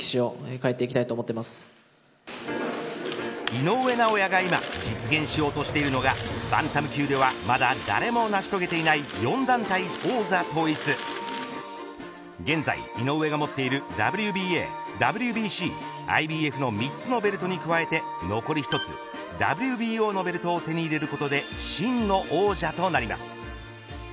井上尚弥が今実現しようとしているのがバンタム級ではまだ誰も成し遂げていない４団体王座統一ＷＢＡ、ＷＢＣ、ＩＢＦの３つのベルトに加えて残り１つ、ＷＢＯのベルトを手に入れることで真の王者となります。